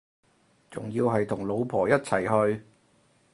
仲要係同老婆一齊去